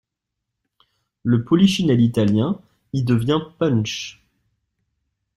Le Polichinelle italien y devient Punch.